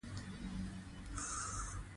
دریابونه د افغانستان د ښاري پراختیا سبب کېږي.